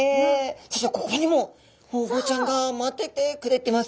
そしてここにもホウボウちゃんが待っててくれてます。